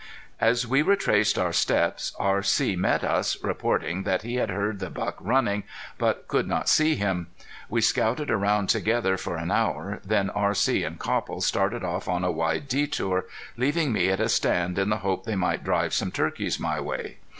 As we retraced our steps R.C. met us, reporting that he had heard the buck running, but could not see him. We scouted around together for an hour, then R.C. and Copple started off on a wide detour, leaving me at a stand in the hope they might drive some turkeys my way.